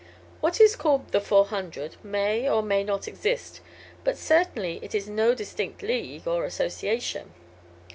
What is called 'the 400' may or may not exist; but certainly it is no distinct league or association.